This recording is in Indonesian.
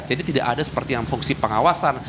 jadi tidak ada seperti yang fungsi pengawasan